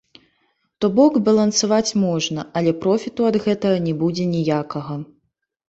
То бок, балансаваць можна, але профіту ад гэтага не будзе ніякага.